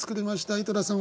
井戸田さん